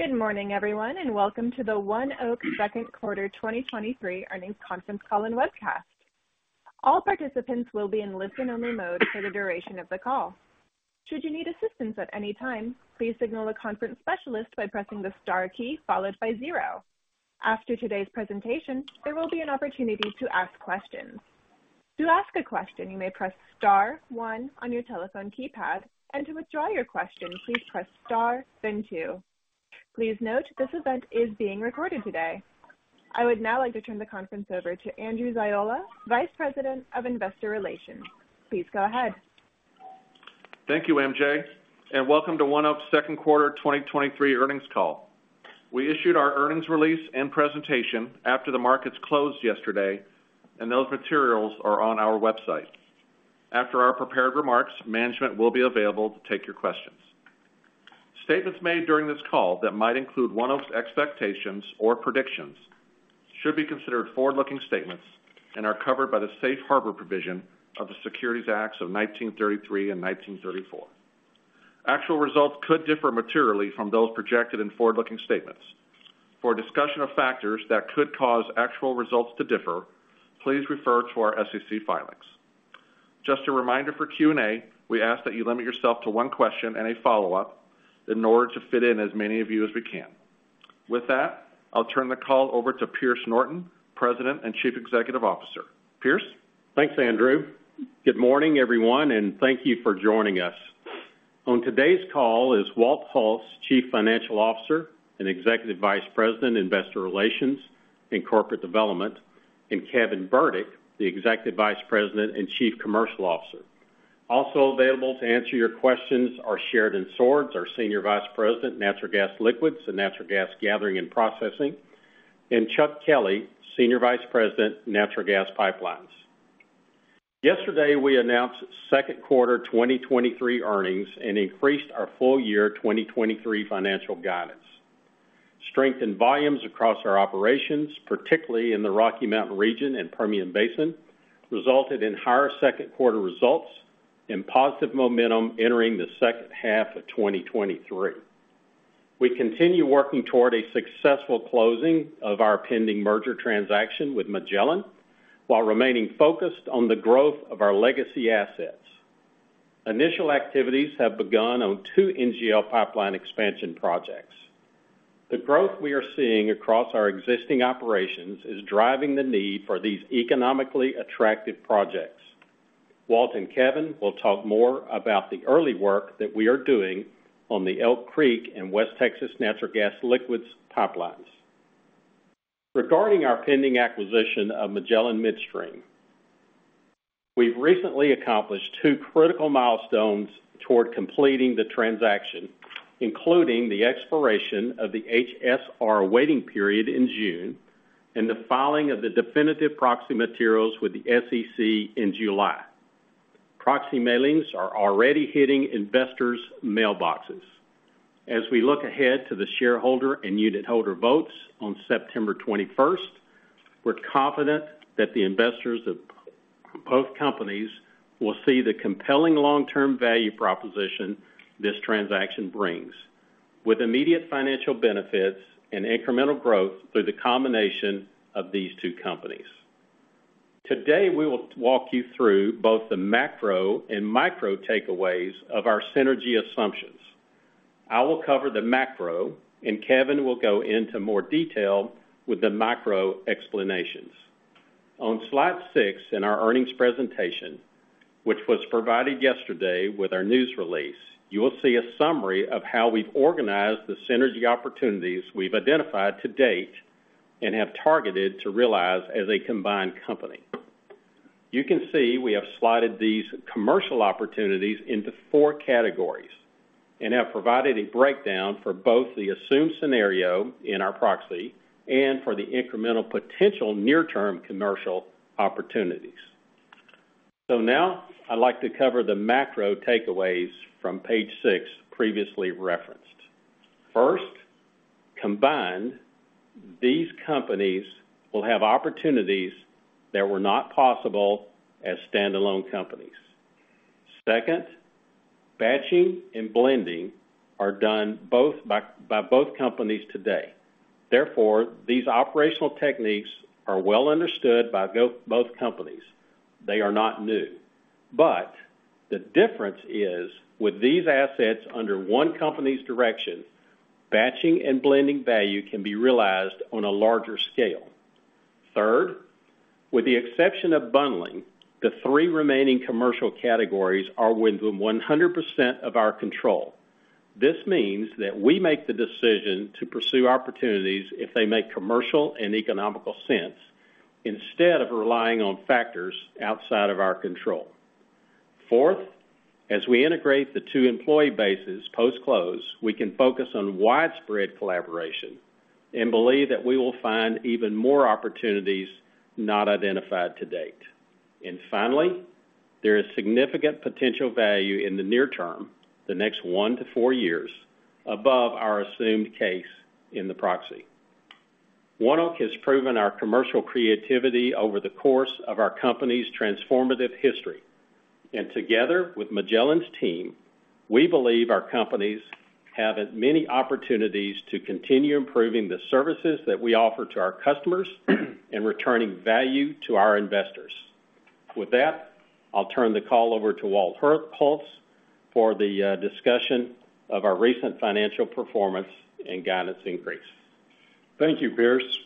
Good morning, everyone, and welcome to the ONEOK second quarter 2023 earnings conference call and webcast. All participants will be in listen-only mode for the duration of the call. Should you need assistance at any time, please signal the conference specialist by pressing the star key followed by zero. After today's presentation, there will be an opportunity to ask questions. To ask a question, you may press star one on your telephone keypad, and to withdraw your question, please press star, then two. Please note, this event is being recorded today. I would now like to turn the conference over to Andrew Ziola, Vice President of Investor Relations. Please go ahead. Thank you, MJ, and welcome to ONEOK's second quarter 2023 earnings call. We issued our earnings release and presentation after the markets closed yesterday, and those materials are on our website. After our prepared remarks, management will be available to take your questions. Statements made during this call that might include ONEOK's expectations or predictions should be considered forward-looking statements and are covered by the safe harbor provision of the Securities Acts of 1933 and 1934. Actual results could differ materially from those projected in forward-looking statements. For a discussion of factors that could cause actual results to differ, please refer to our SEC filings. Just a reminder for Q&A, we ask that you limit yourself to one question and a follow-up in order to fit in as many of you as we can. With that, I'll turn the call over to Pierce Norton, President and Chief Executive Officer. Pierce? Thanks, Andrew. Good morning, everyone, and thank you for joining us. On today's call is Walt Hulse, Chief Financial Officer and Executive Vice President, Investor Relations and Corporate Development, and Kevin Burdick, Executive Vice President and Chief Commercial Officer. Also available to answer your questions are Sheridan Swords, our Senior Vice President, Natural Gas Liquids and Natural Gas Gathering and Processing, and Chuck Kelley, Senior Vice President, Natural Gas Pipelines. Yesterday, we announced second quarter 2023 earnings and increased our full year 2023 financial guidance. Strengthened volumes across our operations, particularly in the Rocky Mountain region and Permian Basin, resulted in higher second quarter results and positive momentum entering the second half of 2023. We continue working toward a successful closing of our pending merger transaction with Magellan, while remaining focused on the growth of our legacy assets. Initial activities have begun on two NGL pipeline expansion projects. The growth we are seeing across our existing operations is driving the need for these economically attractive projects. Walt and Kevin will talk more about the early work that we are doing on the Elk Creek and West Texas Natural Gas Liquids pipelines. Regarding our pending acquisition of Magellan Midstream, we've recently accomplished two critical milestones toward completing the transaction, including the expiration of the HSR waiting period in June and the filing of the definitive proxy materials with the SEC in July. Proxy mailings are already hitting investors' mailboxes. As we look ahead to the shareholder and unitholder votes on September 21st, we're confident that the investors of both companies will see the compelling long-term value proposition this transaction brings, with immediate financial benefits and incremental growth through the combination of these two companies. Today, we will walk you through both the macro and micro takeaways of our synergy assumptions. I will cover the macro, and Kevin will go into more detail with the micro explanations. On slide six in our earnings presentation, which was provided yesterday with our news release, you will see a summary of how we've organized the synergy opportunities we've identified to date and have targeted to realize as a combined company. You can see we have slotted these commercial opportunities into four categories and have provided a breakdown for both the assumed scenario in our proxy and for the incremental potential near-term commercial opportunities. Now I'd like to cover the macro takeaways from page six, previously referenced. First, combined, these companies will have opportunities that were not possible as standalone companies. Second, batching and blending are done both by both companies today. Therefore, these operational techniques are well understood by both companies. They are not new. The difference is, with these assets under one company's direction, batching and blending value can be realized on a larger scale. Third, with the exception of bundling, the three remaining commercial categories are within 100% of our control. This means that we make the decision to pursue opportunities if they make commercial and economical sense, instead of relying on factors outside of our control. Fourth, as we integrate the two employee bases post-close, we can focus on widespread collaboration and believe that we will find even more opportunities not identified to date. Finally, there is significant potential value in the near term, the next one to four years, above our assumed case in the proxy ONEOK has proven our commercial creativity over the course of our company's transformative history. Together with Magellan's team, we believe our companies have as many opportunities to continue improving the services that we offer to our customers, and returning value to our investors. With that, I'll turn the call over to Walt Hulse for the discussion of our recent financial performance and guidance increase. Thank you, Pierce.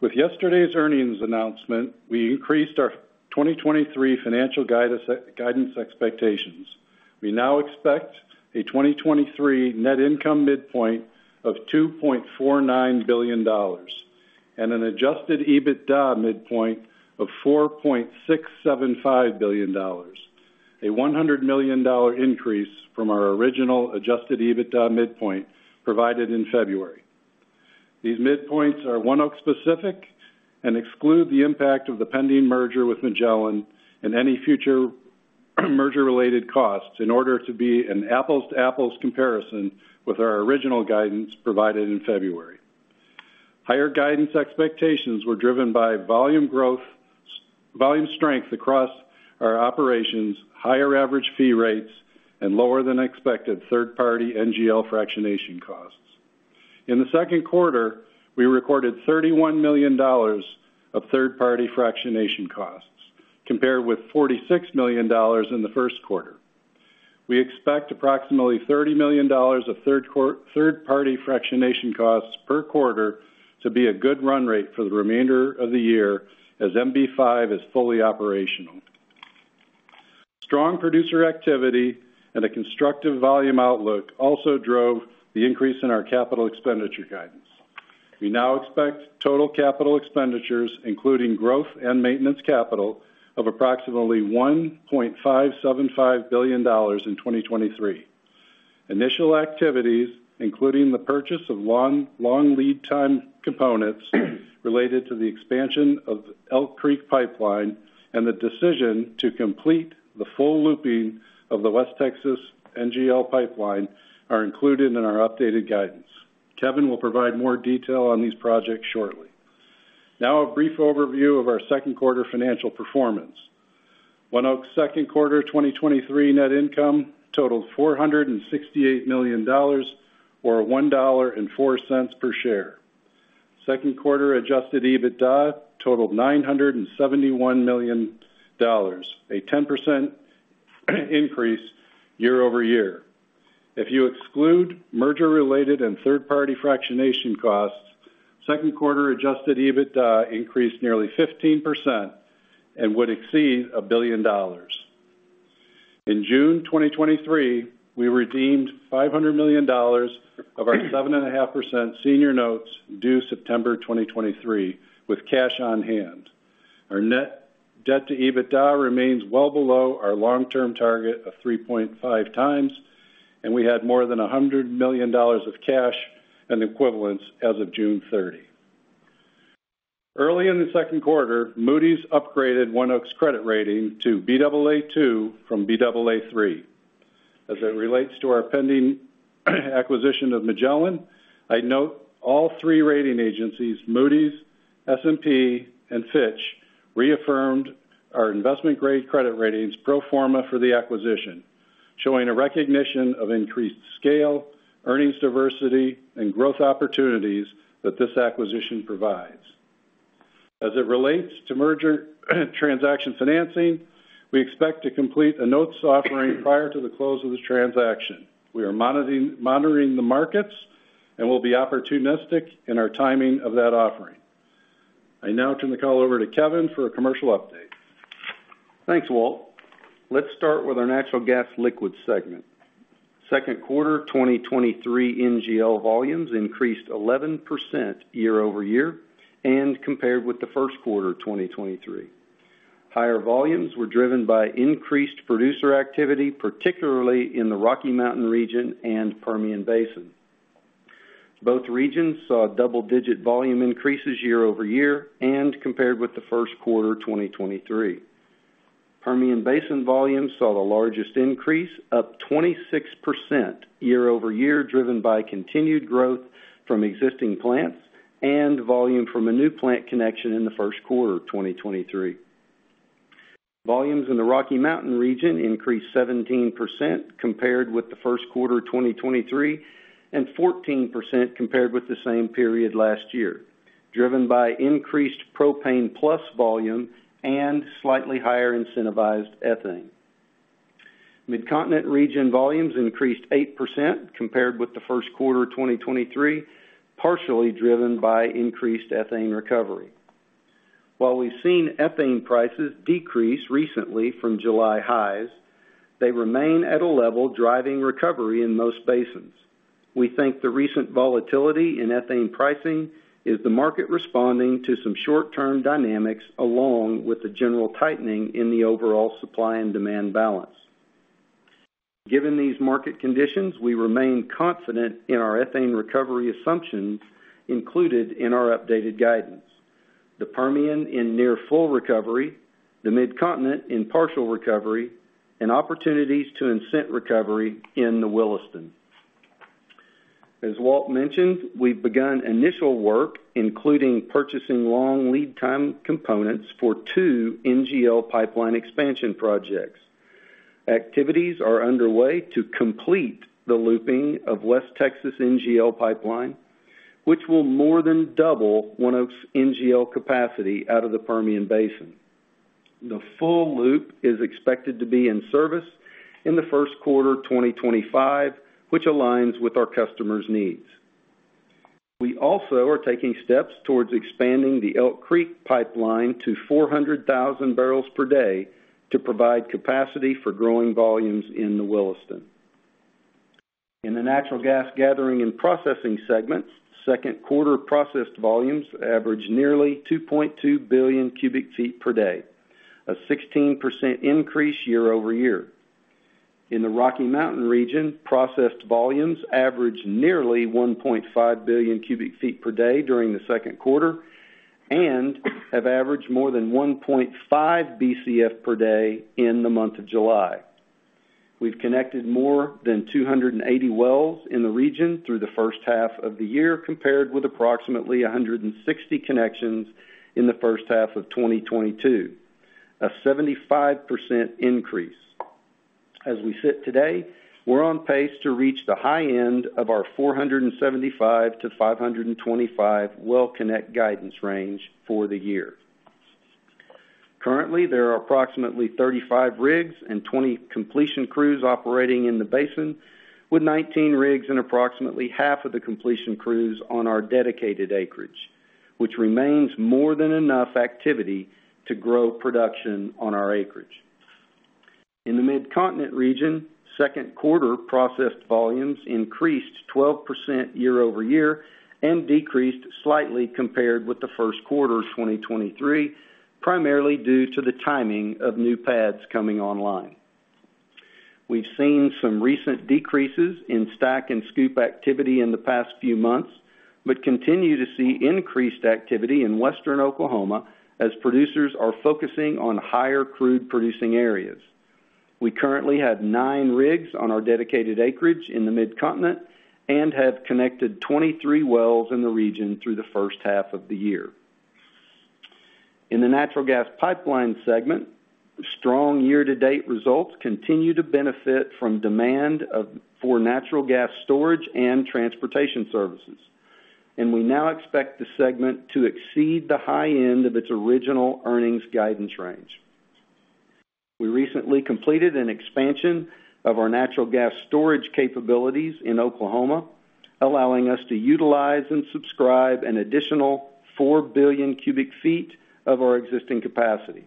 With yesterday's earnings announcement, we increased our 2023 financial guidance expectations. We now expect a 2023 net income midpoint of $2.49 billion, and an adjusted EBITDA midpoint of $4.675 billion, a $100 million increase from our original adjusted EBITDA midpoint provided in February. These midpoints are ONEOK specific and exclude the impact of the pending merger with Magellan and any future merger-related costs in order to be an apples-to-apples comparison with our original guidance provided in February. Higher guidance expectations were driven by volume strength across our operations, higher average fee rates, and lower than expected third-party NGL fractionation costs. In the second quarter, we recorded $31 million of third-party fractionation costs, compared with $46 million in the first quarter. We expect approximately $30 million of third-party fractionation costs per quarter to be a good run rate for the remainder of the year, as MB-5 is fully operational. Strong producer activity and a constructive volume outlook also drove the increase in our capital expenditure guidance. We now expect total capital expenditures, including growth and maintenance capital, of approximately $1.575 billion in 2023. Initial activities, including the purchase of long, long lead time components, related to the expansion of Elk Creek Pipeline and the decision to complete the full looping of the West Texas NGL pipeline, are included in our updated guidance. Kevin will provide more detail on these projects shortly. A brief overview of our second quarter financial performance. ONEOK's second quarter 2023 net income totaled $468 million, or $1.04 per share. Second quarter adjusted EBITDA totaled $971 million, a 10% increase year-over-year. If you exclude merger-related and third-party fractionation costs, second quarter adjusted EBITDA increased nearly 15% and would exceed $1 billion. In June 2023, we redeemed $500 million of our 7.5% senior notes due September 2023, with cash on hand. Our net debt-to-EBITDA remains well below our long-term target of 3.5x, and we had more than $100 million of cash and equivalents as of June 30. Early in the second quarter, Moody's upgraded ONEOK's credit rating to Baa2 from Baa3. As it relates to our pending, acquisition of Magellan, I'd note all three rating agencies, Moody's, S&P, and Fitch, reaffirmed our investment-grade credit ratings pro forma for the acquisition, showing a recognition of increased scale, earnings diversity, and growth opportunities that this acquisition provides. As it relates to merger, transaction financing, we expect to complete a notes offering prior to the close of this transaction. We are monitoring the markets and will be opportunistic in our timing of that offering. I now turn the call over to Kevin for a commercial update. Thanks, Walt. Let's start with our natural gas liquids segment. Second quarter 2023 NGL volumes increased 11% year-over-year and compared with the first quarter of 2023. Higher volumes were driven by increased producer activity, particularly in the Rocky Mountain region and Permian Basin. Both regions saw double-digit volume increases year-over-year and compared with the first quarter of 2023. Permian Basin volumes saw the largest increase, up 26% year-over-year, driven by continued growth from existing plants and volume from a new plant connection in the first quarter of 2023. Volumes in the Rocky Mountain region increased 17% compared with the first quarter of 2023, and 14% compared with the same period last year, driven by increased propane plus volume and slightly higher incentivized ethane. Mid-Continent region volumes increased 8% compared with the first quarter of 2023, partially driven by increased ethane recovery. While we've seen ethane prices decrease recently from July highs, they remain at a level driving recovery in most basins. We think the recent volatility in ethane pricing is the market responding to some short-term dynamics, along with the general tightening in the overall supply and demand balance. Given these market conditions, we remain confident in our ethane recovery assumptions included in our updated guidance. The Permian in near full recovery, the Mid-Continent in partial recovery, and opportunities to incent recovery in the Williston. As Walt mentioned, we've begun initial work, including purchasing long lead time components for two NGL pipeline expansion projects. Activities are underway to complete the looping of West Texas NGL Pipeline, which will more than double ONEOK's NGL capacity out of the Permian Basin. The full loop is expected to be in service in the first quarter of 2025, which aligns with our customers' needs. We also are taking steps towards expanding the Elk Creek Pipeline to 400,000 bpd to provide capacity for growing volumes in the Williston. In the natural gas gathering and processing segments, second quarter processed volumes averaged nearly 2.2 Bcfd, a 16% increase year-over-year. In the Rocky Mountain region, processed volumes averaged nearly 1.5 Bcfd during the second quarter, and have averaged more than 1.5 Bcfd in the month of July. We've connected more than 280 wells in the region through the first half of the year, compared with approximately 160 connections in the first half of 2022, a 75% increase. As we sit today, we're on pace to reach the high end of our 475-525 well connect guidance range for the year. Currently, there are approximately 35 rigs and 20 completion crews operating in the basin, with 19 rigs and approximately half of the completion crews on our dedicated acreage, which remains more than enough activity to grow production on our acreage. In the Mid-Continent region, second quarter processed volumes increased 12% year-over-year and decreased slightly compared with the first quarter of 2023, primarily due to the timing of new pads coming online. We've seen some recent decreases in STACK and SCOOP activity in the past few months, but continue to see increased activity in Western Oklahoma as producers are focusing on higher crude-producing areas. We currently have nine rigs on our dedicated acreage in the Mid-Continent and have connected 23 wells in the region through the first half of the year. In the natural gas pipeline segment, strong year-to-date results continue to benefit from demand for natural gas storage and transportation services, and we now expect the segment to exceed the high end of its original earnings guidance range. We recently completed an expansion of our natural gas storage capabilities in Oklahoma, allowing us to utilize and subscribe an additional 4 Bcf of our existing capacity.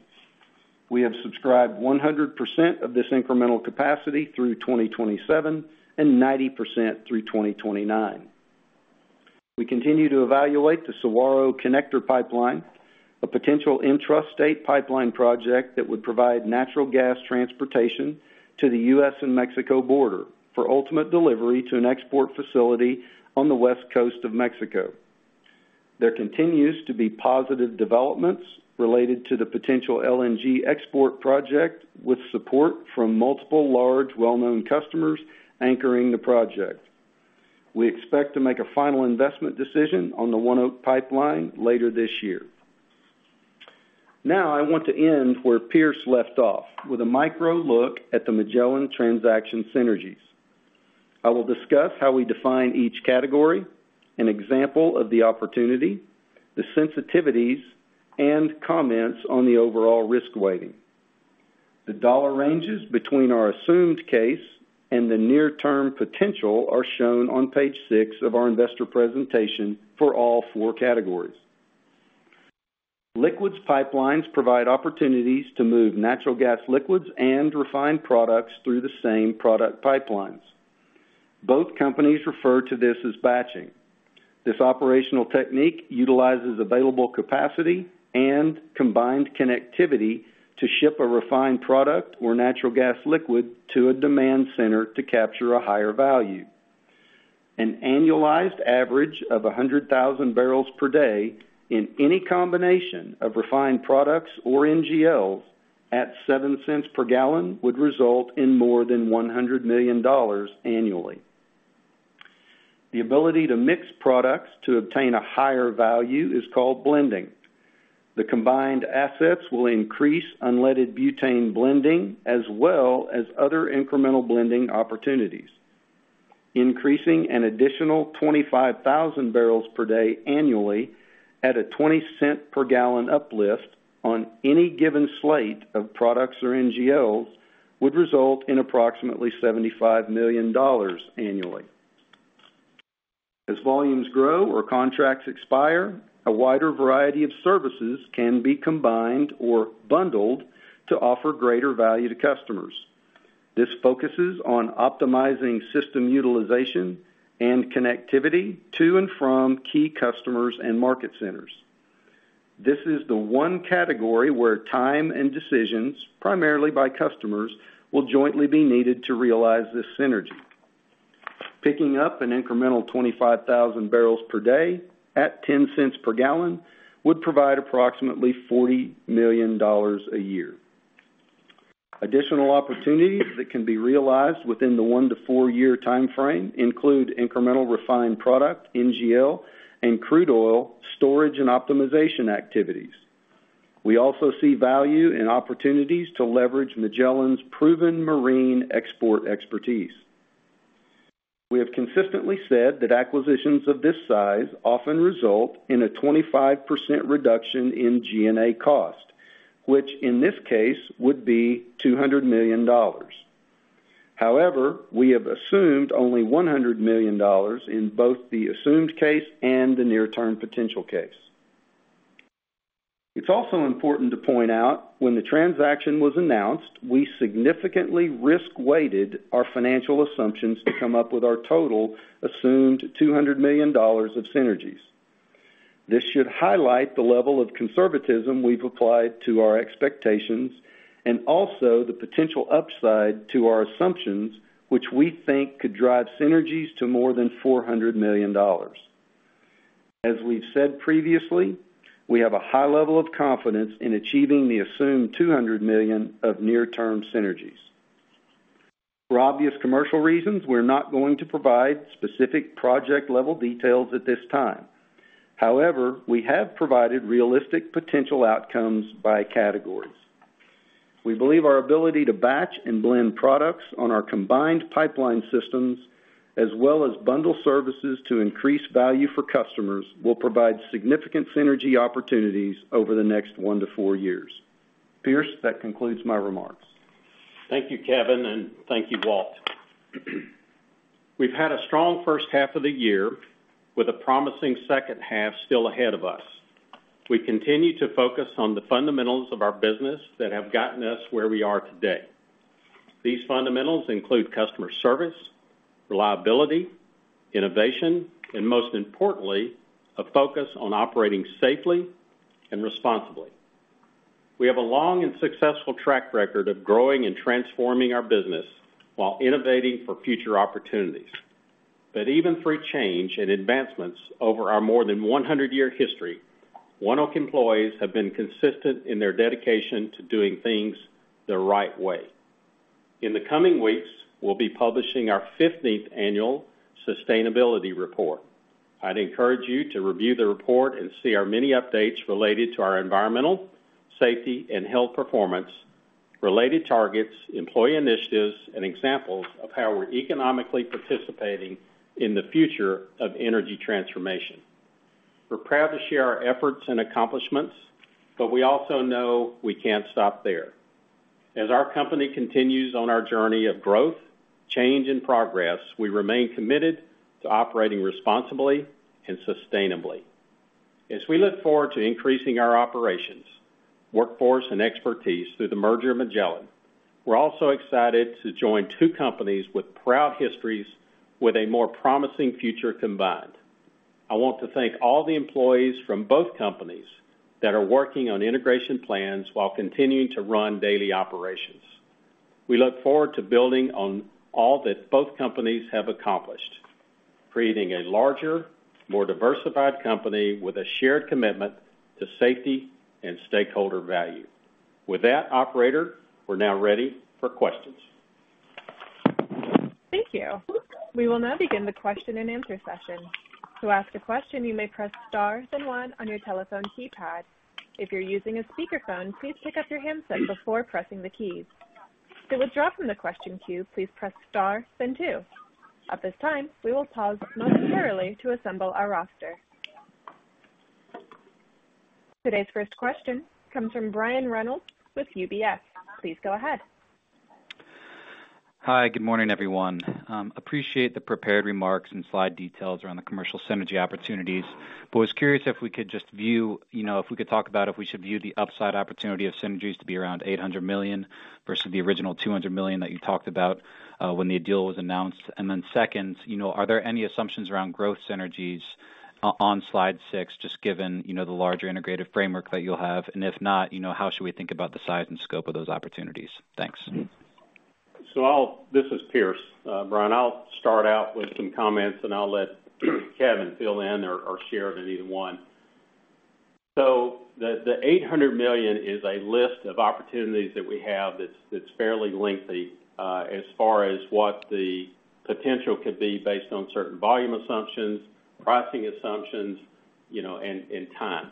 We have subscribed 100% of this incremental capacity through 2027, and 90% through 2029. We continue to evaluate the Saguaro Connector Pipeline, a potential intrastate pipeline project that would provide natural gas transportation to the U.S. and Mexico border for ultimate delivery to an export facility on the west coast of Mexico. There continues to be positive developments related to the potential LNG export project, with support from multiple large, well-known customers anchoring the project. We expect to make a final investment decision on the ONEOK pipeline later this year. Now, I want to end where Pierce left off, with a micro look at the Magellan transaction synergies. I will discuss how we define each category, an example of the opportunity, the sensitivities, and comments on the overall risk weighting. The dollar ranges between our assumed case and the near-term potential are shown on page six of our investor presentation for all four categories. Liquids pipelines provide opportunities to move natural gas liquids and refined products through the same product pipelines. Both companies refer to this as batching. This operational technique utilizes available capacity and combined connectivity to ship a refined product or natural gas liquid to a demand center to capture a higher value. An annualized average of 100,000 bpd in any combination of refined products or NGLs at $0.07 per gallon, would result in more than $100 million annually. The ability to mix products to obtain a higher value is called blending. The combined assets will increase normal butane blending as well as other incremental blending opportunities. Increasing an additional 25,000 bpd annually at a $0.20 per gallon uplift on any given slate of products or NGLs, would result in approximately $75 million annually. As volumes grow or contracts expire, a wider variety of services can be combined or bundled to offer greater value to customers. This focuses on optimizing system utilization and connectivity to and from key customers and market centers. This is the one category where time and decisions, primarily by customers, will jointly be needed to realize this synergy. Picking up an incremental 25,000 bpd at $0.10 per gallon would provide approximately $40 million a year. Additional opportunities that can be realized within the one to four year time frame include incremental refined product, NGL, and crude oil storage and optimization activities. We also see value in opportunities to leverage Magellan's proven marine export expertise. We have consistently said that acquisitions of this size often result in a 25% reduction in G&A cost, which in this case would be $200 million. However, we have assumed only $100 million in both the assumed case and the near-term potential case. It's also important to point out, when the transaction was announced, we significantly risk-weighted our financial assumptions to come up with our total assumed $200 million of synergies. This should highlight the level of conservatism we've applied to our expectations and also the potential upside to our assumptions, which we think could drive synergies to more than $400 million. As we've said previously, we have a high level of confidence in achieving the assumed $200 million of near-term synergies. For obvious commercial reasons, we're not going to provide specific project-level details at this time. However, we have provided realistic potential outcomes by categories. We believe our ability to batch and blend products on our combined pipeline systems, as well as bundle services to increase value for customers, will provide significant synergy opportunities over the next one to four years. Pierce, that concludes my remarks. Thank you, Kevin, and thank you, Walt. We've had a strong first half of the year, with a promising second half still ahead of us. We continue to focus on the fundamentals of our business that have gotten us where we are today. These fundamentals include customer service, reliability, innovation, and most importantly, a focus on operating safely and responsibly. We have a long and successful track record of growing and transforming our business while innovating for future opportunities. Even through change and advancements over our more than 100-year history, ONEOK employees have been consistent in their dedication to doing things the right way. In the coming weeks, we'll be publishing our 15th annual sustainability report. I'd encourage you to review the report and see our many updates related to our environmental, safety and health performance, related targets, employee initiatives, and examples of how we're economically participating in the future of energy transformation. We're proud to share our efforts and accomplishments, but we also know we can't stop there. As our company continues on our journey of growth, change and progress, we remain committed to operating responsibly and sustainably. As we look forward to increasing our operations, workforce, and expertise through the merger of Magellan, we're also excited to join two companies with proud histories, with a more promising future combined. I want to thank all the employees from both companies that are working on integration plans while continuing to run daily operations. We look forward to building on all that both companies have accomplished, creating a larger, more diversified company with a shared commitment to safety and stakeholder value. With that, Operator, we're now ready for questions. Thank you. We will now begin the question-and-answer session. To ask a question, you may press star then one on your telephone keypad. If you're using a speakerphone, please pick up your handset before pressing the keys. To withdraw from the question queue, please press star, then two. At this time, we will pause momentarily to assemble our roster. Today's first question comes from Brian Reynolds with UBS. Please go ahead. Hi, good morning, everyone. Appreciate the prepared remarks and slide details around the commercial synergy opportunities. I was curious if we could just, you know, if we could talk about if we should view the upside opportunity of synergies to be around $800 million versus the original $200 million that you talked about when the deal was announced. Then second, you know, are there any assumptions around growth synergies on slide six, just given, you know, the larger integrated framework that you'll have? If not, you know, how should we think about the size and scope of those opportunities? Thanks. I'll, this is Pierce. Brian, I'll start out with some comments, and I'll let Kevin fill in or, or Sheridan either one. The, the $800 million is a list of opportunities that we have that's, that's fairly lengthy, as far as what the potential could be based on certain volume assumptions, pricing assumptions, you know, and, and time.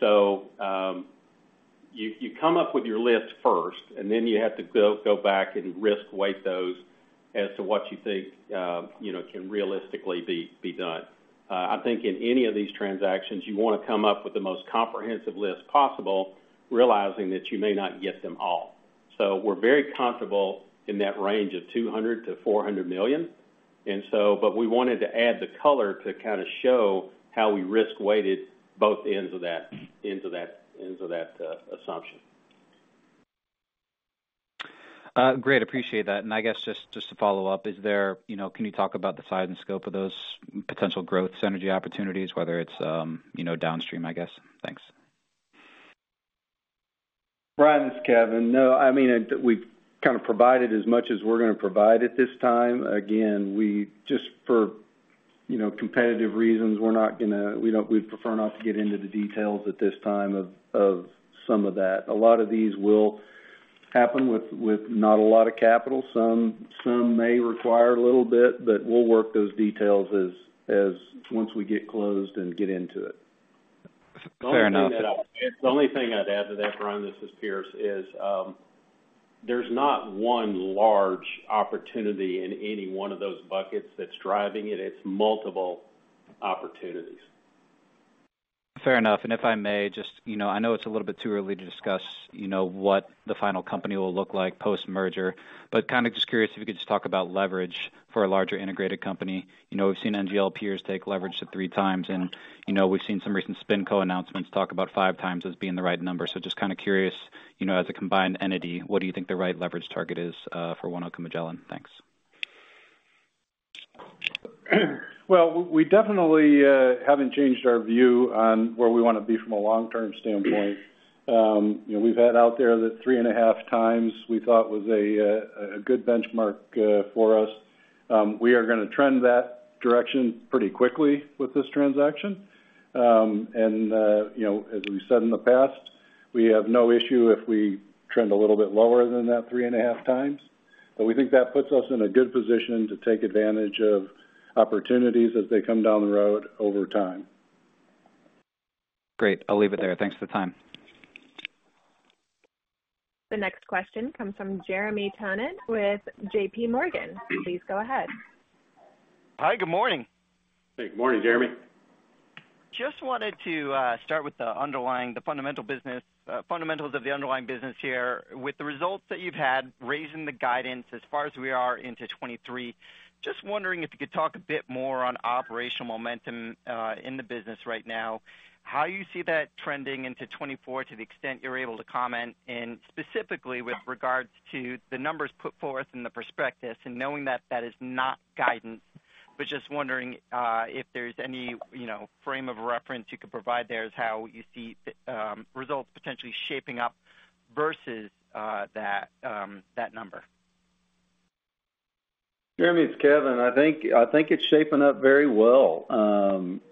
So, you, you come up with your list first, and then you have to go, go back and risk weight those as to what you think, you know, can realistically be, be done. I think in any of these transactions, you wanna come up with the most comprehensive list possible, realizing that you may not get them all. We're very comfortable in that range of $200 million-$400 million, we wanted to add the color to kind of show how we risk-weighted both ends of that assumption. Great, appreciate that. I guess just, just to follow up, is there, you know, can you talk about the size and scope of those potential growth synergy opportunities, whether it's, you know, downstream, I guess? Thanks. Brian, this is Kevin. No, I mean, we've kind of provided as much as we're going to provide at this time. Again, we just for, you know, competitive reasons, we're not gonna we don't we'd prefer not to get into the details at this time of, of some of that. A lot of these will happen with, with not a lot of capital. Some, some may require a little bit. We'll work those details as, as once we get closed and get into it. Fair enough. The only thing I'd add to that, Brian, this is Pierce, is, there's not one large opportunity in any 1 of those buckets that's driving it. It's multiple opportunities. Fair enough. If I may just, you know, I know it's a little bit too early to discuss, you know, what the final company will look like post-merger, but kind of just curious if you could just talk about leverage for a larger integrated company. You know, we've seen NGL peers take leverage to three times, and, you know, we've seen some recent spin co-announcements talk about five times as being the right number. Just kind of curious, you know, as a combined entity, what do you think the right leverage target is for ONEOK and Magellan? Thanks. Well, we definitely haven't changed our view on where we want to be from a long-term standpoint. You know, we've had out there that 3.5x we thought was a good benchmark for us. We are going to trend that direction pretty quickly with this transaction. You know, as we said in the past, we have no issue if we trend a little bit lower than that 3.5x. We think that puts us in a good position to take advantage of opportunities as they come down the road over time. Great. I'll leave it there. Thanks for the time. The next question comes from Jeremy Tonet with J.P. Morgan. Please go ahead. Hi, good morning. Hey, good morning, Jeremy. Just wanted to start with the underlying, the fundamental business. Fundamentals of the underlying business here. With the results that you've had, raising the guidance as far as we are into 2023, just wondering if you could talk a bit more on operational momentum in the business right now. How you see that trending into 2024, to the extent you're able to comment, and specifically with regards to the numbers put forth in the prospectus and knowing that that is not guidance. Just wondering if there's any, you know, frame of reference you could provide there as how you see results potentially shaping up versus that number. Jeremy, it's Kevin. I think, I think it's shaping up very well.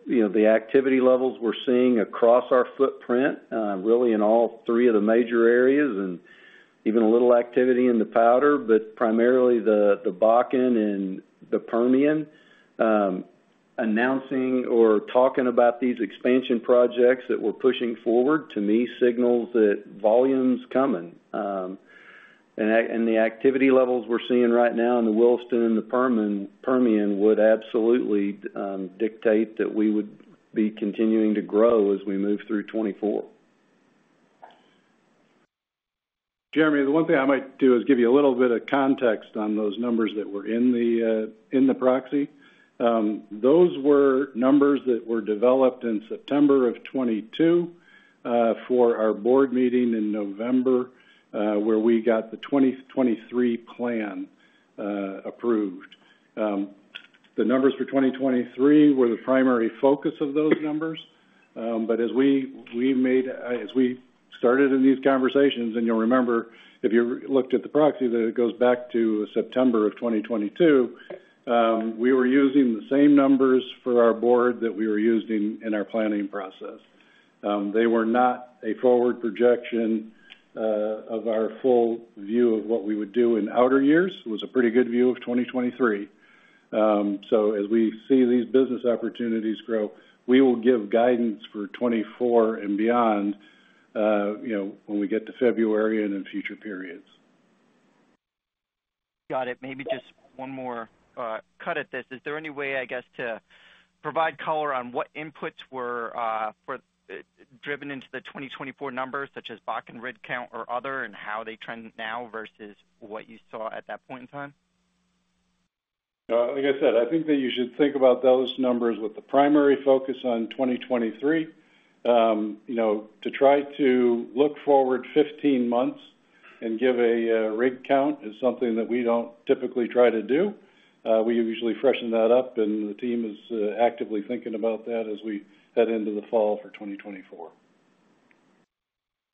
You know, the activity levels we're seeing across our footprint, really in all three of the major areas, and even a little activity in the Powder, but primarily the, the Bakken and the Permian. Announcing or talking about these expansion projects that we're pushing forward, to me, signals that volume's coming. And, and the activity levels we're seeing right now in the Williston and the Permian, Permian would absolutely, dictate that we would be continuing to grow as we move through 2024. Jeremy, the one thing I might do is give you a little bit of context on those numbers that were in the proxy. Those were numbers that were developed in September of 2022, for our board meeting in November, where we got the 2023 plan approved. The numbers for 2023 were the primary focus of those numbers. As we, we made, as we started in these conversations, and you'll remember, if you looked at the proxy, that it goes back to September of 2022, we were using the same numbers for our board that we were using in our planning process. They were not a forward projection of our full view of what we would do in outer years. It was a pretty good view of 2023. As we see these business opportunities grow, we will give guidance for 2024 and beyond, you know, when we get to February and in future periods. Got it. Maybe just one more cut at this. Is there any way, I guess, to provide color on what inputs were for driven into the 2024 numbers, such as Bakken rig count or other, and how they trend now versus what you saw at that point in time? Like I said, I think that you should think about those numbers with the primary focus on 2023. You know, to try to look forward 15 months and give a rig count is something that we don't typically try to do. We usually freshen that up, and the team is actively thinking about that as we head into the fall for 2024.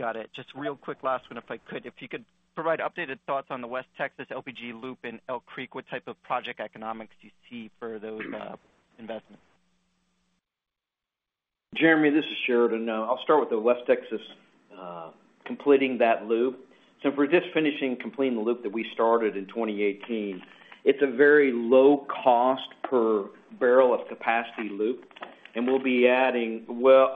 Got it. Just real quick, last one, if I could. If you could provide updated thoughts on the West Texas LPG loop in Elk Creek, what type of project economics do you see for those investments? Jeremy, this is Sheridan. Now, I'll start with the West Texas, completing that loop. We're just finishing completing the loop that we started in 2018. It's a very low cost per barrel of capacity loop, and we'll be adding, well,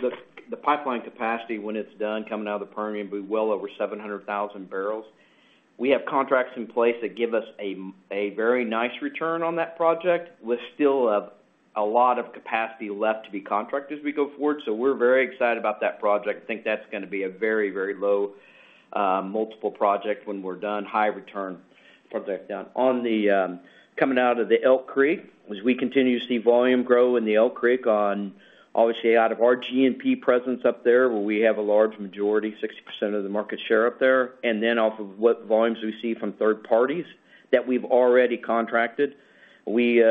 the, the pipeline capacity when it's done coming out of the Permian, will be well over 700,000 barrels. We have contracts in place that give us a, a very nice return on that project, with still a, a lot of capacity left to be contracted as we go forward. We're very excited about that project. I think that's going to be a very, very low, multiple project when we're done. High return project done. Coming out of the Elk Creek, as we continue to see volume grow in the Elk Creek on, obviously, out of our G&P presence up there, where we have a large majority, 60% of the market share up there, and then off of what volumes we see from third parties that we've already contracted. We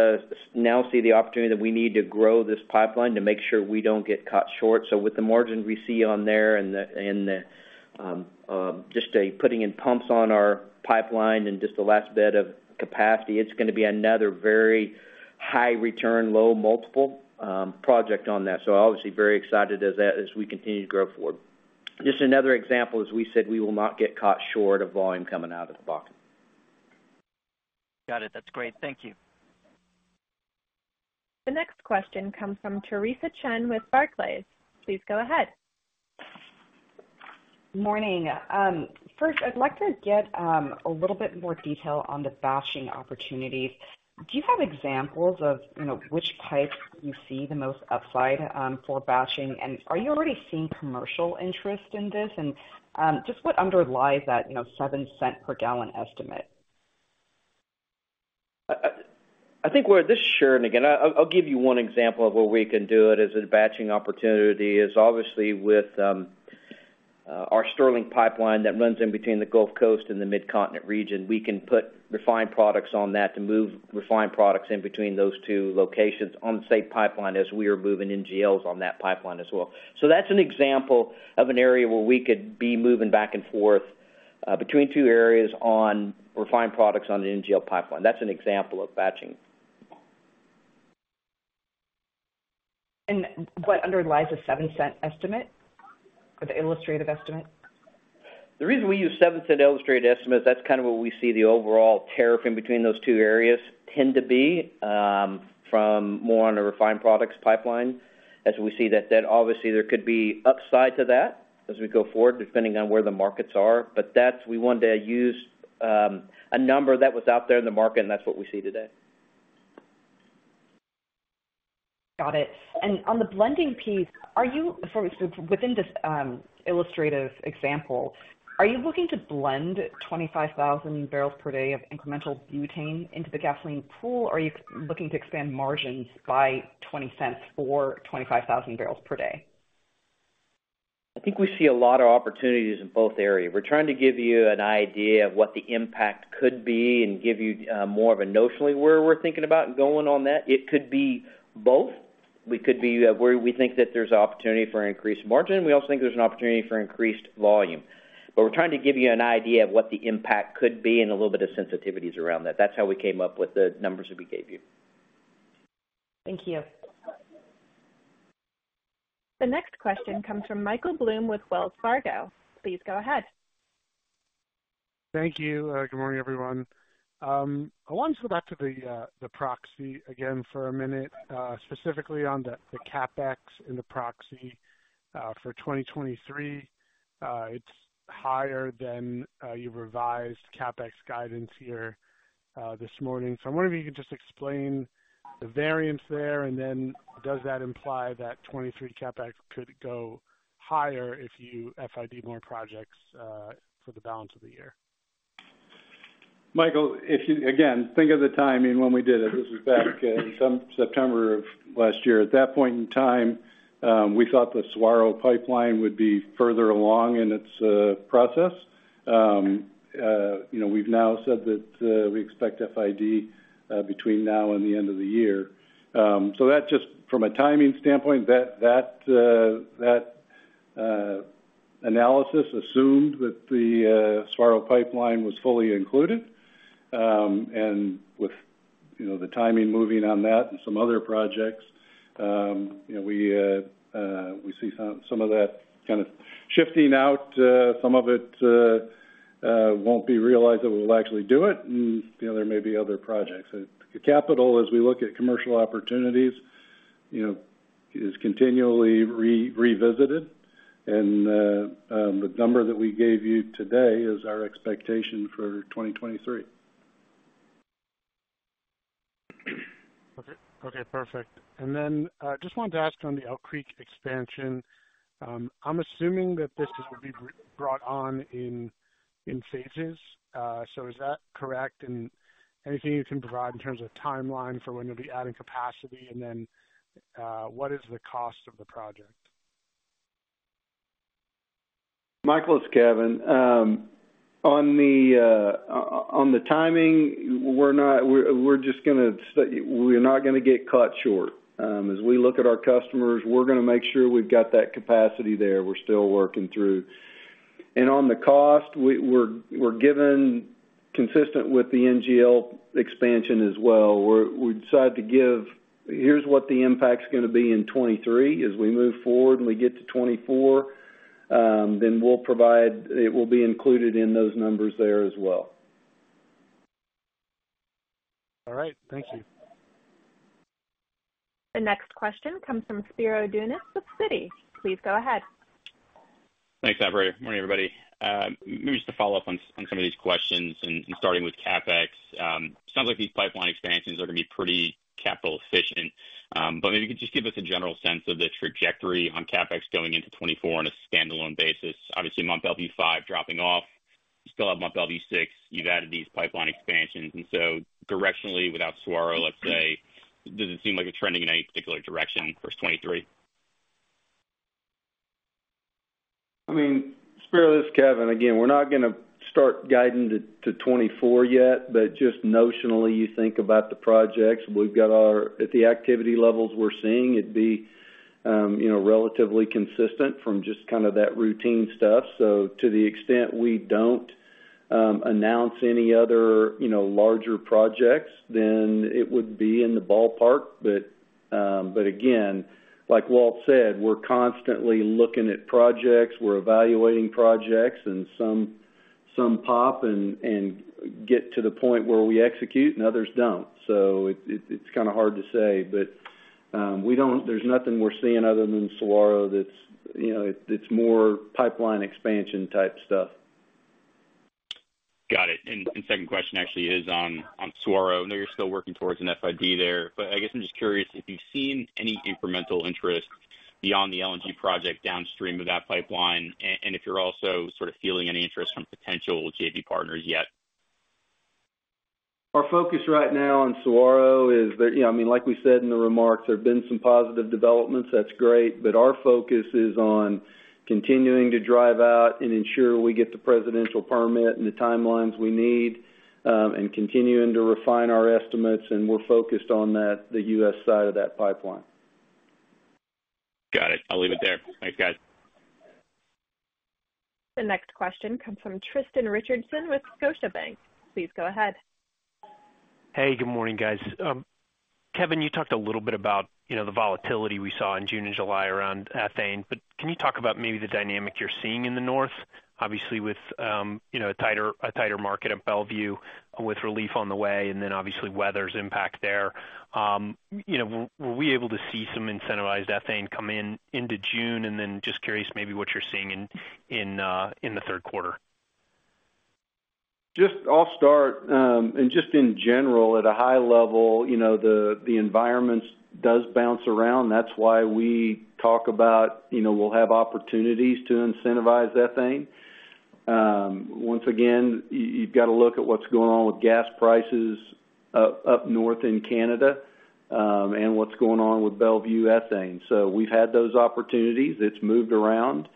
now see the opportunity that we need to grow this pipeline to make sure we don't get caught short. With the margin we see on there and the, and the, just a putting in pumps on our pipeline and just the last bit of capacity, it's gonna be another very high return, low multiple, project on that. Obviously, very excited as we continue to grow forward. Just another example, as we said, we will not get caught short of volume coming out of the Bakken. Got it. That's great. Thank you. The next question comes from Theresa Chen with Barclays. Please go ahead. Morning. First, I'd like to get a little bit more detail on the batching opportunities. Do you have examples of, you know, which pipes you see the most upside for batching? Are you already seeing commercial interest in this? Just what underlies that, you know, $0.07 per gallon estimate? Again, I'll, this is Sheridan. I'll give you one example of where we can do it as a batching opportunity is obviously with our Sterling pipeline that runs in between the Gulf Coast and the Mid-Continent region. We can put refined products on that to move refined products in between those two locations on the same pipeline as we are moving NGLs on that pipeline as well. That's an example of an area where we could be moving back and forth between two areas on refined products on the NGL pipeline. That's an example of batching. What underlies the $0.07 estimate or the illustrative estimate? The reason we use $0.07 illustrative estimate, that's kind of what we see the overall tariff in between those two areas tend to be, from more on a refined products pipeline. As we see that, that obviously there could be upside to that as we go forward, depending on where the markets are. That's, we wanted to use a number that was out there in the market, and that's what we see today. Got it. On the blending piece, within this illustrative example, are you looking to blend 25,000 bpd of incremental butane into the gasoline pool, or are you looking to expand margins by $0.20 for 25,000 bpd? I think we see a lot of opportunities in both areas. We're trying to give you an idea of what the impact could be and give you more of a notionally, where we're thinking about going on that. It could be both. We could be where we think that there's opportunity for increased margin. We also think there's an opportunity for increased volume. We're trying to give you an idea of what the impact could be and a little bit of sensitivities around that. That's how we came up with the numbers that we gave you. Thank you. The next question comes from Michael Blum with Wells Fargo. Please go ahead. Thank you. Good morning, everyone. I want to go back to the proxy again for a minute, specifically on the CapEx and the proxy, for 2023. It's higher than your revised CapEx guidance here this morning. I wonder if you could just explain the variance there, and then does that imply that 2023 CapEx could go higher if you FID more projects for the balance of the year? Michael, if you again, think of the timing when we did it. This was back in some September of last year. At that point in time, we thought the Saguaro pipeline would be further along in its process. You know, we've now said that we expect FID between now and the end of the year. That just from a timing standpoint, that that analysis assumed that the Saguaro pipeline was fully included. With, you know, the timing moving on that and some other projects, you know, we see some, some of that kind of shifting out. Some of it won't be realized, that we'll actually do it, and, you know, there may be other projects. The capital, as we look at commercial opportunities, you know, is continually revisited, and the number that we gave you today is our expectation for 2023. Okay. Okay, perfect. Just wanted to ask on the Elk Creek expansion, I'm assuming that this is going to be brought on in, in phases. Is that correct? Anything you can provide in terms of timeline for when you'll be adding capacity, and then, what is the cost of the project? Michael, it's Kevin. On the timing, we're not. We're just gonna say, we're not gonna get caught short. As we look at our customers, we're gonna make sure we've got that capacity there. We're still working through. On the cost, we're given consistent with the NGL expansion as well, where we decided to give, here's what the impact's gonna be in 2023. As we move forward and we get to 2024, then we'll provide. It will be included in those numbers there as well. All right. Thank you. The next question comes from Spiro Dounis with Citi. Please go ahead. Thanks, Operator. Morning, everybody. Maybe just to follow up on some of these questions and starting with CapEx. Sounds like these pipeline expansions are gonna be pretty capital efficient. Maybe you could just give us a general sense of the trajectory on CapEx going into 2024 on a standalone basis. Obviously, Mont Belvieu 5 dropping off, you still have Mont Belvieu 6, you've added these pipeline expansions, directionally, without Saguaro, let's say, does it seem like it's trending in any particular direction for 2023? I mean, spare this, Kevin, again, we're not gonna start guiding to, to 2024 yet, but just notionally, you think about the projects. At the activity levels we're seeing, it'd be, you know, relatively consistent from just kind of that routine stuff. To the extent we don't announce any other, you know, larger projects, then it would be in the ballpark. Again, like Walt said, we're constantly looking at projects, we're evaluating projects, and some, some pop and get to the point where we execute and others don't. It's, it's, it's kind of hard to say. There's nothing we're seeing other than Saguaro that's, you know, it's more pipeline expansion type stuff. Got it. Second question actually is on Saguaro. I know you're still working towards an FID there, but I guess I'm just curious if you've seen any incremental interest beyond the LNG project downstream of that pipeline, and if you're also sort of feeling any interest from potential JV partners yet? Our focus right now on Saguaro. Yeah, I mean, like we said in the remarks, there have been some positive developments. That's great. Our focus is on continuing to drive out and ensure we get the presidential permit and the timelines we need, and continuing to refine our estimates, and we're focused on that, the U.S. side of that pipeline. Got it. I'll leave it there. Thanks, guys. The next question comes from Tristan Richardson with Scotiabank. Please go ahead. Hey, good morning, guys. Kevin, you talked a little bit about, you know, the volatility we saw in June and July around ethane. Can you talk about maybe the dynamic you're seeing in the North? Obviously, with, you know, a tighter, a tighter market at Belvieu with relief on the way, and then obviously, weather's impact there. Were we able to see some incentivized ethane come in into June? Just curious, maybe what you're seeing in, in, in the third quarter. Just I'll start, and just in general, at a high level, you know, the, the environment does bounce around. That's why we talk about, you know, we'll have opportunities to incentivize ethane. Once again, y-you've got to look at what's going on with gas prices up, up north in Canada, and what's going on with Belvieu ethane. We've had those opportunities. It's moved around.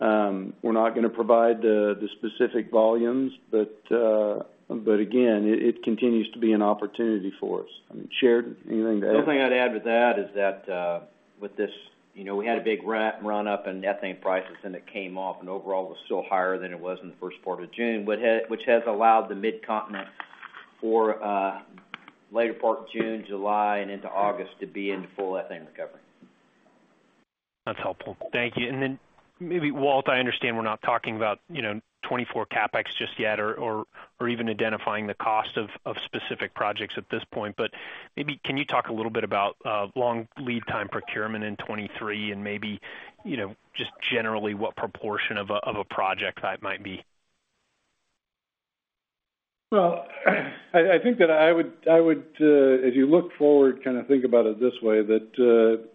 We're not gonna provide the, the specific volumes, but again, it, it continues to be an opportunity for us. I mean, Sherridan, anything to add? The only thing I'd add to that is that, with this, you know, we had a big run up in ethane prices, and it came off, and overall, it was still higher than it was in the first part of June, but which has allowed the Midcontinent for, later part of June, July, and into August to be in full ethane recovery. That's helpful. Thank you. Then maybe, Walt, I understand we're not talking about, you know, 2024 CapEx just yet or even identifying the cost of specific projects at this point. Maybe, can you talk a little bit about long lead time procurement in 2023 and maybe, you know, just generally, what proportion of a project that might be? Well, I, I think that I would, I would, as you look forward, kind of think about it this way, that,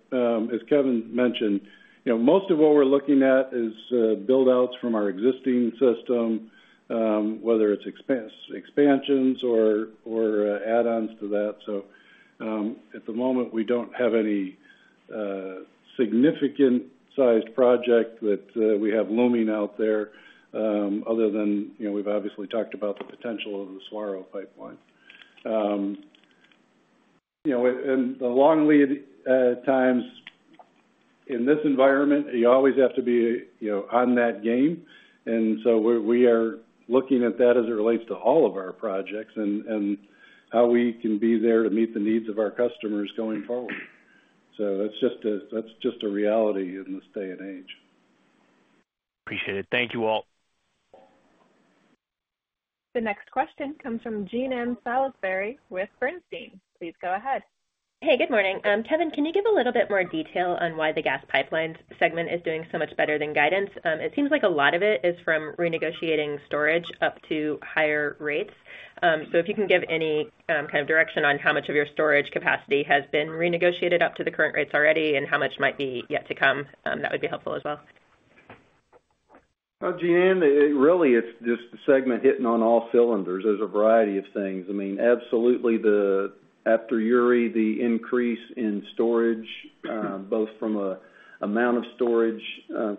as Kevin mentioned, you know, most of what we're looking at is buildouts from our existing system, whether it's expansions or, or, add-ons to that. At the moment, we don't have any significant sized project that we have looming out there, other than, you know, we've obviously talked about the potential of the Saguaro pipeline. You know, and, and the long lead times in this environment, you always have to be, you know, on that game. We, we are looking at that as it relates to all of our projects and, and how we can be there to meet the needs of our customers going forward. That's just a, that's just a reality in this day and age. Appreciate it. Thank you, Walt. The next question comes from Jean Ann Salisbury with Bernstein. Please go ahead. Hey, good morning. Kevin, can you give a little bit more detail on why the gas pipeline segment is doing so much better than guidance? It seems like a lot of it is from renegotiating storage up to higher rates. If you can give any kind of direction on how much of your storage capacity has been renegotiated up to the current rates already and how much might be yet to come, that would be helpful as well. Well, Jeanne, it really, it's just the segment hitting on all cylinders. There's a variety of things. I mean, absolutely, after Uri, the increase in storage, both from amount of storage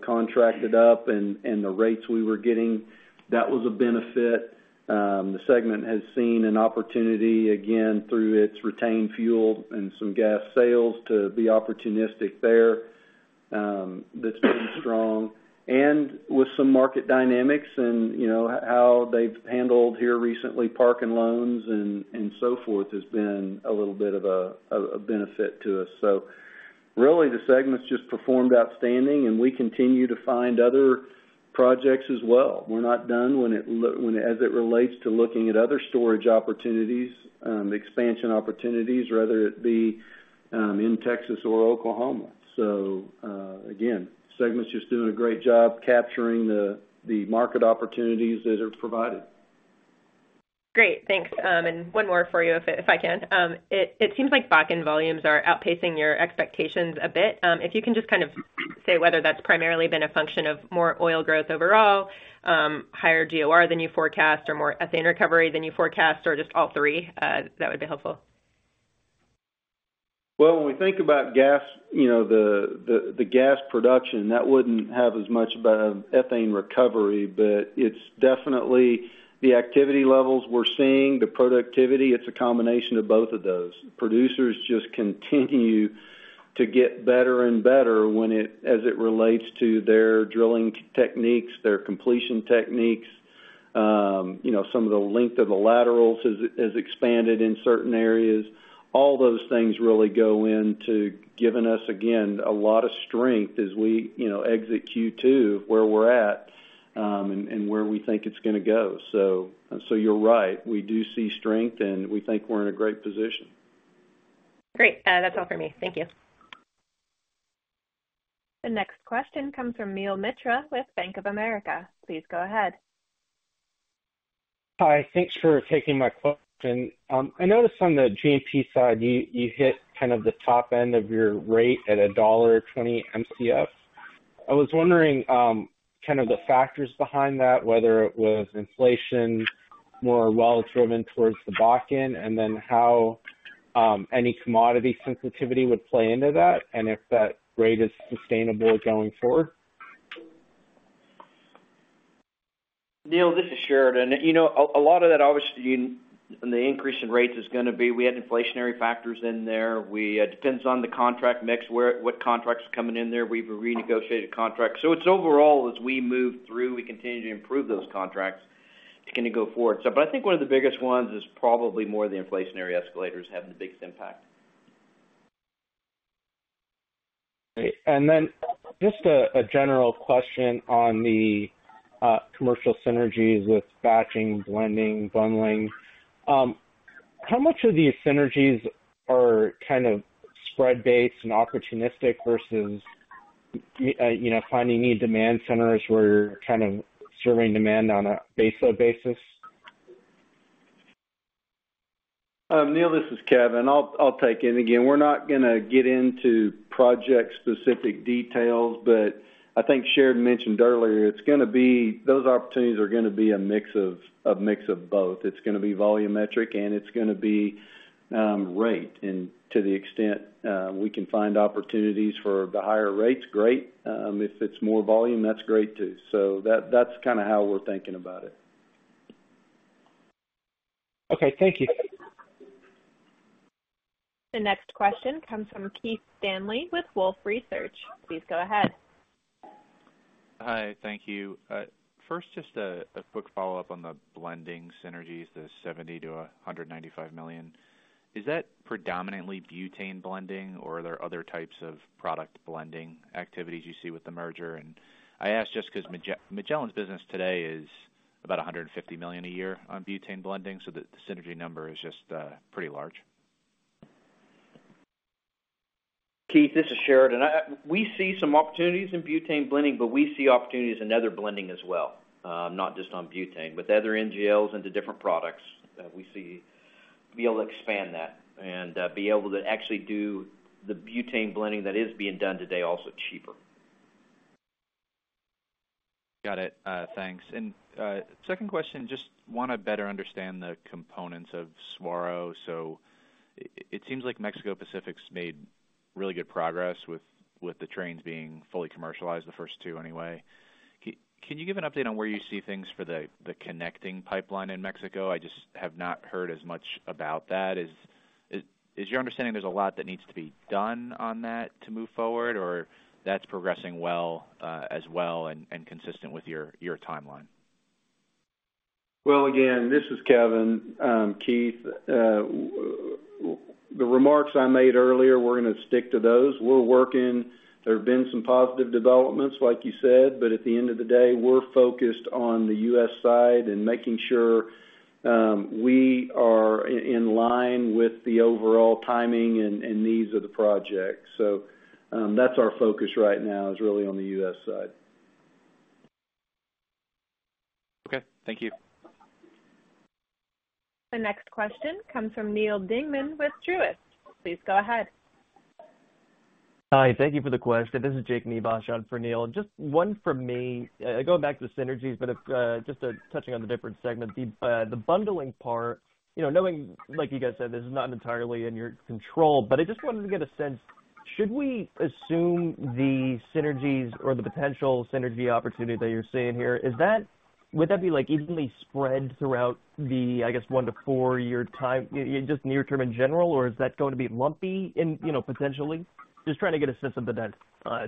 contracted up and the rates we were getting, that was a benefit. The segment has seen an opportunity, again, through its retained fuel and some gas sales, to be opportunistic there. That's been strong. With some market dynamics and, you know, how they've handled here recently, park and loan and so forth, has been a little bit of a, of a benefit to us. Really, the segment's just performed outstanding, and we continue to find other projects as well. We're not done when as it relates to looking at other storage opportunities, expansion opportunities, whether it be in Texas or Oklahoma. Again, segment's just doing a great job capturing the, the market opportunities that are provided. Great, thanks. One more for you, if I, if I can. It, it seems like Bakken volumes are outpacing your expectations a bit. If you can just kind of say whether that's primarily been a function of more oil growth overall, higher DOR than you forecast or more ethane recovery than you forecast, or just all three, that would be helpful. Well, when we think about gas, you know, the, the, the gas production, that wouldn't have as much of an ethane recovery, but it's definitely the activity levels we're seeing, the productivity, it's a combination of both of those. Producers just continue to get better and better as it relates to their drilling techniques, their completion techniques, you know, some of the length of the laterals has, has expanded in certain areas. All those things really go into giving us, again, a lot of strength as we, you know, exit Q2, where we're at, and, and where we think it's gonna go. So you're right, we do see strength, and we think we're in a great position. Great. That's all for me. Thank you. The next question comes from Neel Mitra with Bank of America. Please go ahead. Hi, thanks for taking my question. I noticed on the G&P side, you, you hit kind of the top end of your rate at a $1.20 MCF. I was wondering, kind of the factors behind that, whether it was inflation, more well-driven towards the Bakken, and then how any commodity sensitivity would play into that, and if that rate is sustainable going forward? Neal, this is Sheridan. You know, a lot of that, obviously, in the increase in rates is gonna be we had inflationary factors in there. We, depends on the contract mix, where what contracts are coming in there. We've renegotiated contracts. It's overall, as we move through, we continue to improve those contracts, gonna go forward. But I think one of the biggest ones is probably more of the inflationary escalators having the biggest impact. Great. Then just a, a general question on the commercial synergies with batching, blending, bundling. How much of these synergies are kind of spread-based and opportunistic versus, you know, finding new demand centers where you're kind of serving demand on a base load basis? Neil, this is Kevin. I'll, I'll take it. Again, we're not gonna get into project-specific details, but I think Sheridan mentioned earlier, it's gonna be those opportunities are gonna be a mix of, a mix of both. It's gonna be volumetric, and it's gonna be rate. To the extent we can find opportunities for the higher rates, great. If it's more volume, that's great, too. That, that's kind of how we're thinking about it. Okay, thank you. The next question comes from Keith Stanley with Wolfe Research. Please go ahead. Hi, thank you. First, just a quick follow-up on the blending synergies, the $70 million-$195 million. Is that predominantly butane blending, or are there other types of product blending activities you see with the merger? I ask just because Magellan's business today is about $150 million a year on butane blending, so the synergy number is just pretty large. Keith, this is Sheridan. We see some opportunities in butane blending, but we see opportunities in other blending as well, not just on butane, but the other NGLs into different products. We see be able to expand that and be able to actually do the butane blending that is being done today, also cheaper. Got it. Thanks. Second question, just want to better understand the components of Saguaro. It, it seems like Mexico Pacific's made really good progress with, with the trains being fully commercialized, the first two anyway. Can, can you give an update on where you see things for the, the connecting pipeline in Mexico? I just have not heard as much about that. Is, is, is your understanding there's a lot that needs to be done on that to move forward, or that's progressing well, as well, and, and consistent with your, your timeline? Well, again, this is Kevin. Keith, the remarks I made earlier, we're gonna stick to those. We're working. There have been some positive developments, like you said, at the end of the day, we're focused on the U.S. side and making sure, we are in line with the overall timing and, and needs of the project. That's our focus right now, is really on the U.S. side. Okay, thank you. The next question comes from Neal Dingmann with Truist. Please go ahead. Hi, thank you for the question. This is Jake Nivasch on for Neal. Just one from me. Going back to the synergies, just touching on the different segments. The bundling part, you know, knowing, like you guys said, this is not entirely in your control, but I just wanted to get a sense, should we assume the synergies or the potential synergy opportunity that you're seeing here, is that, would that be, like, evenly spread throughout the, I guess, one to four-year time, just near term in general, or is that going to be lumpy in, you know, potentially? Just trying to get a sense of the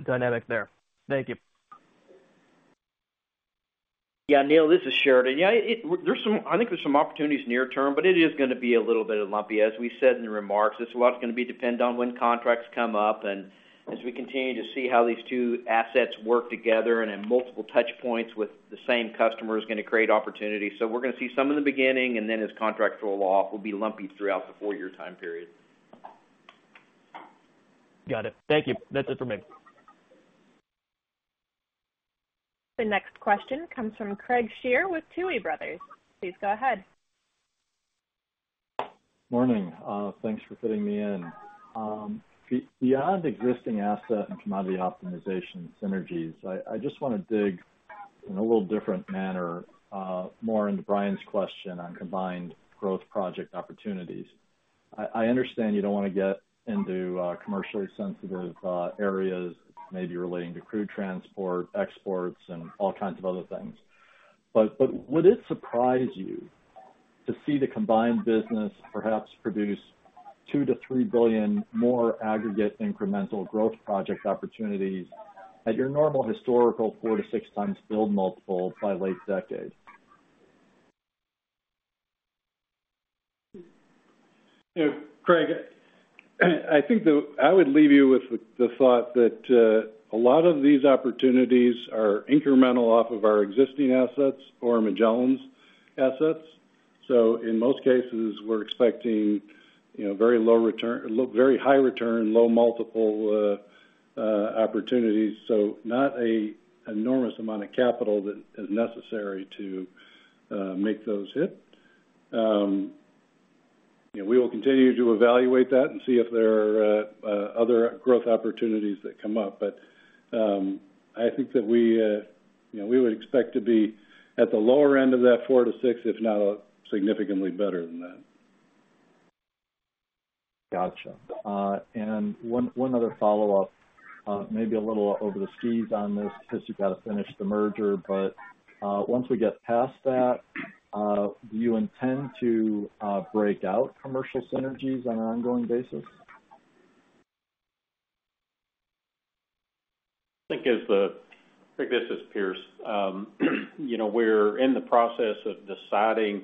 dynamic there. Thank you. Yeah, Neal, this is Sheridan. Yeah, I think there's some opportunities near term, but it is gonna be a little bit lumpy. As we said in the remarks, it's a lot it's gonna be dependent on when contracts come up, and as we continue to see how these two assets work together and in multiple touchpoints with the same customer is gonna create opportunities. We're gonna see some in the beginning, and then as contracts roll off, will be lumpy throughout the four-year time period. Got it. Thank you. That's it for me. The next question comes from Craig Shere with Tuohy Brothers. Please go ahead. Morning. Thanks for fitting me in. Beyond existing asset and commodity optimization synergies, I, I just want to dig in a little different manner, more into Brian's question on combined growth project opportunities. I understand you don't wanna get into commercially sensitive areas, maybe relating to crude transport, exports, and all kinds of other things. Would it surprise you to see the combined business perhaps produce $2 billion-$3 billion more aggregate incremental growth project opportunities at your normal historical 4x-6x build multiple by late decade? You know, Craig, I think I would leave you with the, the thought that a lot of these opportunities are incremental off of our existing assets or Magellan's assets. In most cases, we're expecting, you know, very high return, low multiple opportunities, so not an enormous amount of capital that is necessary to make those hit. You know, we will continue to evaluate that and see if there are other growth opportunities that come up. I think that we, you know, we would expect to be at the lower end of that 4x-6x, if not significantly better than that. Gotcha. And one, one other follow-up, maybe a little over the skis on this, because you've got to finish the merger, but once we get past that, do you intend to break out commercial synergies on an ongoing basis? I think this is Pierce. You know, we're in the process of deciding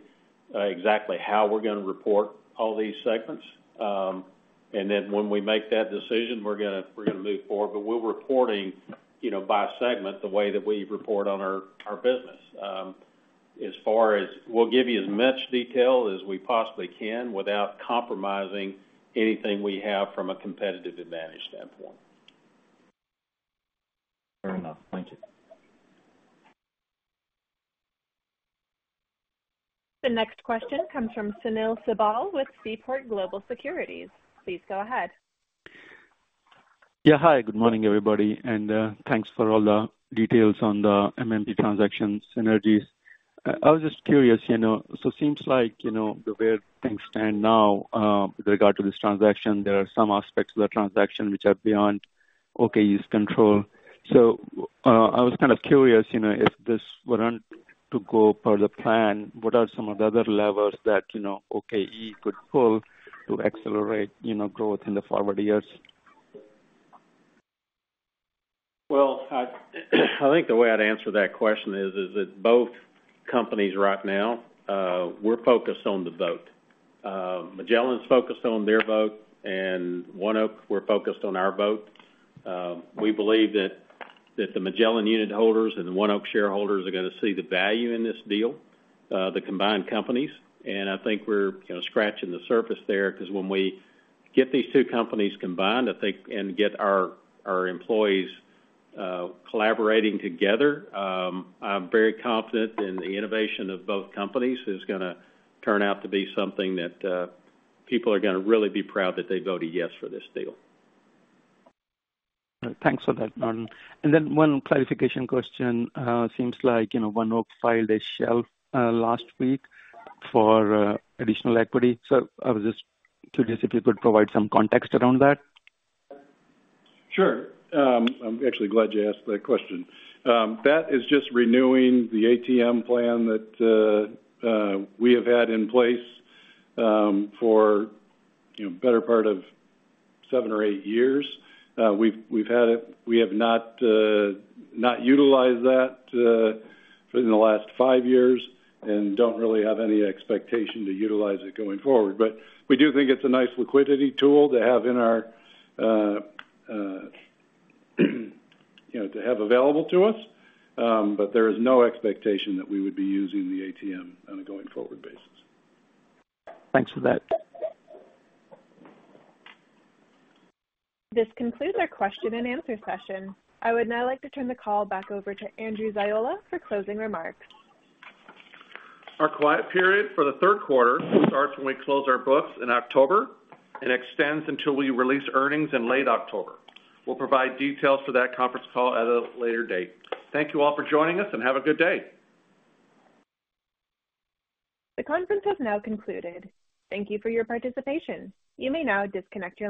exactly how we're gonna report all these segments. When we make that decision, we're gonna, we're gonna move forward. We're reporting, you know, by segment, the way that we report on our, our business. As far as we'll give you as much detail as we possibly can without compromising anything we have from a competitive advantage standpoint. Fair enough. Thank you. The next question comes from Sunil Sibal with Seaport Global Securities. Please go ahead. Yeah, hi, good morning, everybody, and thanks for all the details on the MMP transaction synergies. I, I was just curious, you know, seems like, you know, the way things stand now, with regard to this transaction, there are some aspects of the transaction which are beyond OKE's control. I was kind of curious, you know, if this weren't to go per the plan, what are some of the other levers that, you know, ONEOK could pull to accelerate, you know, growth in the forward years? Well, I, I think the way I'd answer that question is, is that both companies right now, we're focused on the vote. Magellan's focused on their vote, and ONEOK, we're focused on our vote. We believe that, that the Magellan unit holders and the ONEOK shareholders are gonna see the value in this deal, the combined companies. I think we're, you know, scratching the surface there, 'cause when we get these two companies combined, I think, and get our, our employees, collaborating together, I'm very confident that the innovation of both companies is gonna turn out to be something that, people are gonna really be proud that they voted yes for this deal. Thanks for that. Then one clarification question. Seems like, you know, ONEOK filed a shelf last week for additional equity. I was just curious if you could provide some context around that. Sure. I'm actually glad you asked that question. That is just renewing the ATM plan that we have had in place for, you know, better part of seven or eight years. We've, we've had it, we have not not utilized that within the last five years, and don't really have any expectation to utilize it going forward. We do think it's a nice liquidity tool to have in our, you know, to have available to us. There is no expectation that we would be using the ATM on a going-forward basis. Thanks for that. This concludes our question and answer session. I would now like to turn the call back over to Andrew Ziola for closing remarks. Our quiet period for the third quarter starts when we close our books in October and extends until we release earnings in late October. We'll provide details for that conference call at a later date. Thank you all for joining us, and have a good day. The conference has now concluded. Thank you for your participation. You may now disconnect your lines.